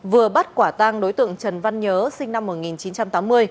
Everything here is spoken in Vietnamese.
vừa bắt quả tang đối tượng trần văn nhớ sinh năm một nghìn chín trăm tám mươi